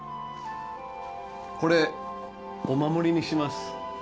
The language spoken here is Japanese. これお守りにします。